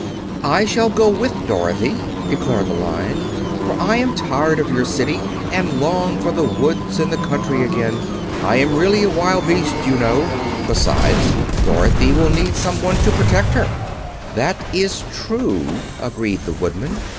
"I shall go with Dorothy," declared the Lion, "for I am tired of your city and long for the woods and the country again. I am really a wild beast, you know. Besides, Dorothy will need someone to protect her." "That is true," agreed the Woodman.